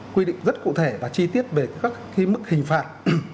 quy định rất cụ thể và chi tiết về các mức hình phạt